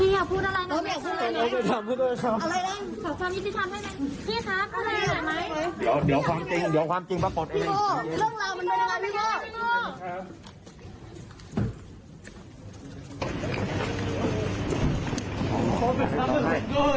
พี่โบ๊ะเรื่องราวมันเป็นราวพี่โบ๊ะ